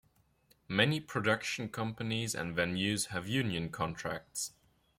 Many production companies and venues have union contracts.